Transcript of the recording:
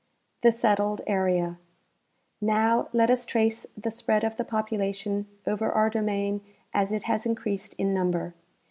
The Settled Area. Now, let us trace the spread of the population over our domain as it has increased in number.